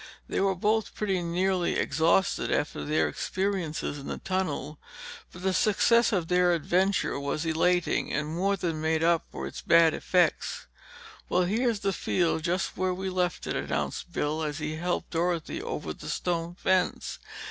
They were both pretty nearly exhausted after their experiences in the tunnel, but the success of their adventure was elating, and more than made up for its bad effects. "Well, here's the field just where we left it," announced Bill as he helped Dorothy over the stone fence.